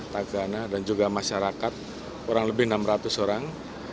tagana dan juga masyarakat kurang lebih enam ratus orang